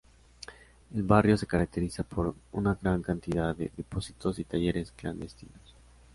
El barrio se caracteriza por una gran cantidad de depósitos y talleres clandestinos.